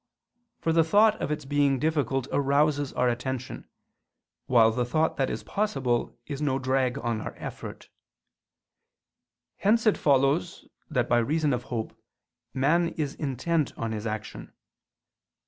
For the thought of its being difficult arouses our attention; while the thought that it is possible is no drag on our effort. Hence it follows that by reason of hope man is intent on his action.